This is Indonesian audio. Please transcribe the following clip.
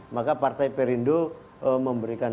maka partai perindo memberikan